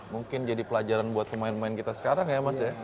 mungkin jadi pelajaran buat pemain pemain kita sekarang ya mas ya